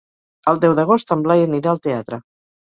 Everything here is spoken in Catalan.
El deu d'agost en Blai anirà al teatre.